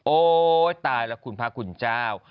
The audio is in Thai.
โอ๊ยตายแล้วคุณพระคุณเจ้า